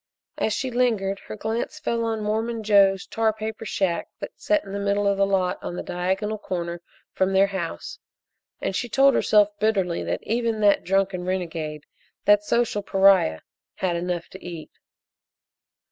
As she lingered her glance fell on Mormon Joe's tar paper shack that set in the middle of the lot on the diagonal corner from their house, and she told herself bitterly that even that drunken renegade, that social pariah, had enough to eat.